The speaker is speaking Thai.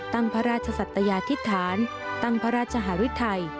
ตั้งพระราชสัตยาธิษฐานตั้งพระราชหารุทัย